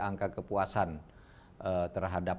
angka kepuasan terhadap